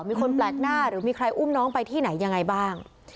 มีคนแปลกหน้าหรือมีใครอุ้มน้องไปที่ไหนยังไงบ้าง